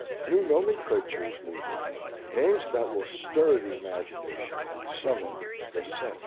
New nomenclature is needed, names that will stir the imagination and summon the cents.